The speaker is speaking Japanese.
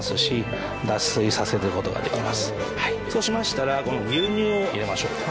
そうしましたらこの牛乳を入れましょう。